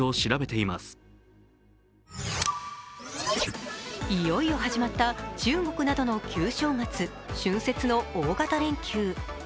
いよいよ始まった中国などの旧正月、春節の大型連休。